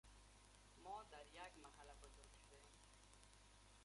ما در یک محله بزرگ شدیم